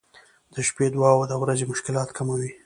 • د شپې دعا د ورځې مشکلات کموي.